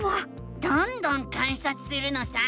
どんどん観察するのさ！